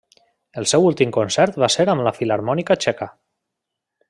El seu últim concert va ser amb la Filharmònica Txeca.